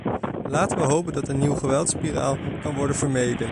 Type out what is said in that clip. Laten we hopen dat een nieuwe geweldsspiraal kan worden vermeden.